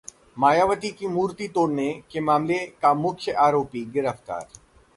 मायावती की मूर्ति तोड़ने के मामले का मुख्य आरोपी गिरफ्तार